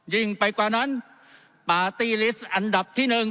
ยิ่งไปกว่านั้นปาร์ตี้ลิสต์อันดับที่หนึ่ง